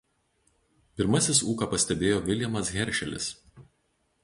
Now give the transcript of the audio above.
Pirmasis ūką pastebėjo Viljamas Heršelis.